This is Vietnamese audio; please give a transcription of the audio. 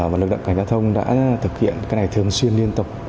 và lực lượng cảnh giao thông đã thực hiện cái này thường xuyên liên tục